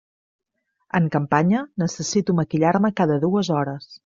En campanya necessito maquillar-me cada dues hores.